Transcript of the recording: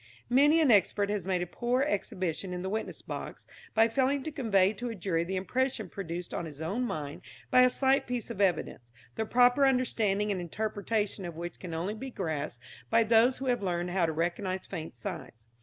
Many an expert has made a poor exhibition in the witness box by failing to convey to a jury the impression produced on his own mind by a slight piece of evidence, the proper understanding and interpretation of which can only be grasped by those who have learned how to recognize faint signs.